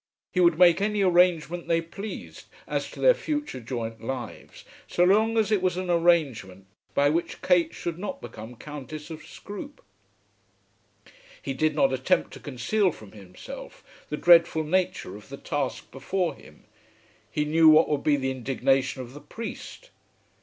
He would make any arrangement they pleased as to their future joint lives, so long as it was an arrangement by which Kate should not become Countess of Scroope. He did not attempt to conceal from himself the dreadful nature of the task before him. He knew what would be the indignation of the priest.